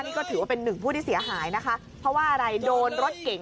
นี่ก็ถือว่าเป็นหนึ่งผู้ที่เสียหายนะคะเพราะว่าอะไรโดนรถเก่ง